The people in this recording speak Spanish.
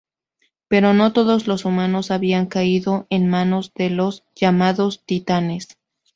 Pero no todos los humanos habían caído en manos de los llamados "Titanes".